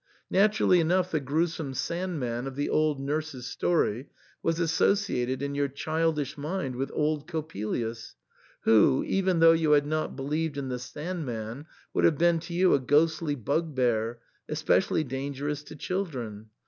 Naturally enough the gruesome Sand man of the old nurse's story was associated in your childish mind with old Coppelius, who, even though you had not believed in the Sand man, would have been to you a ghostly bugbear, especially dangerous to children.